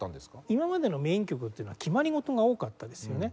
今までのメイン曲というのは決まり事が多かったですよね。